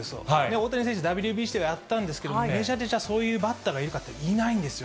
大谷選手、ＷＢＣでやったんですけれども、メジャーでじゃあ、そういう選手がいるかっていうと、いないんですよ。